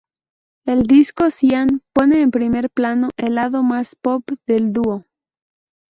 El disco cian pone en primer plano el lado más pop del dúo.